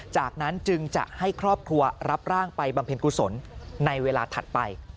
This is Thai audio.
จากนั้นจึงจะให้ครอบครัวรับร่างไปบำเพ็ญกุศลในเวลาถัดไป